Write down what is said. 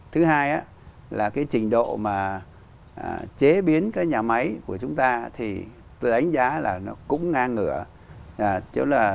thứ hai là trình độ chế biến nhà máy của chúng ta tôi đánh giá là cũng ngang ngựa